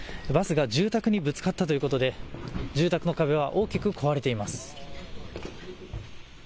バスが住宅にぶつかったということで住宅の壁は大きく壊れています。